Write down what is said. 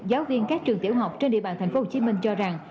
giáo viên các trường tiểu học trên địa bàn tp hcm cho rằng